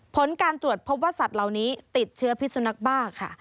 ผลการตรวจพบว่าสัตว์เหล่านี้ติดเชื้อพิสุนักบ้าค่ะ